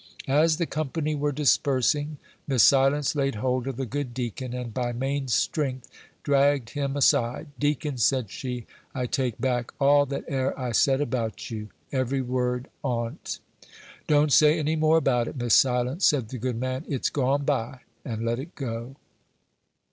As the company were dispersing, Miss Silence laid hold of the good deacon, and by main strength dragged him aside. "Deacon," said she, "I take back all that 'ere I said about you, every word on't." "Don't say any more about it, Miss Silence," said the good man; "it's gone by, and let it go."